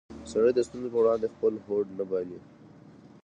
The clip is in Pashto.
سړی د ستونزو په وړاندې خپل هوډ نه بایلي